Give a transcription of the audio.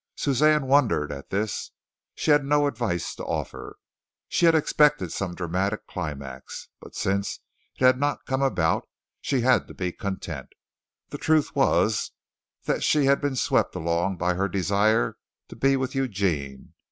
Suzanne wondered at this. She had no advice to offer. She had expected some dramatic climax, but since it had not come about, she had to be content. The truth was that she had been swept along by her desire to be with Eugene.